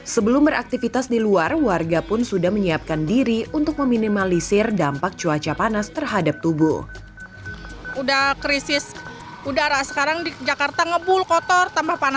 sebelum beraktivitas di luar warga pun sudah menyiapkan diri untuk meminimalisir dampak cuaca panas terhadap tubuh